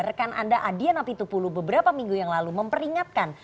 rekan anda adhiana pitupulu beberapa minggu yang lalu memperingatkan